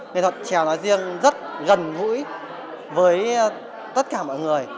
nghệ thuật trèo nói riêng rất gần gũi với tất cả mọi người